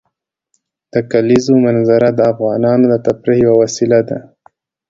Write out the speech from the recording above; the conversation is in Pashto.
د کلیزو منظره د افغانانو د تفریح یوه وسیله ده.